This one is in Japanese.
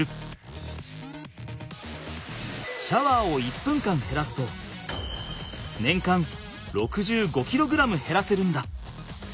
シャワーを１分間減らすと年間６５ｋｇ減らせるんだ！